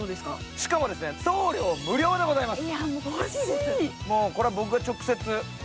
しかも送料無料でございます。